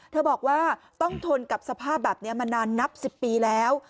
บอกว่าต้องทนกับสภาพแบบนี้มานานนับ๑๐ปีแล้ว